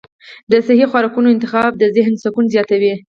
د صحي خوراکونو انتخاب د ذهن سکون زیاتوي.